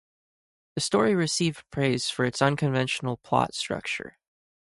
The story received praise for its unconventional plot structure.